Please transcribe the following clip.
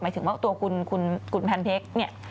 หมายถึงว่าตัวคุณพันเผ็ก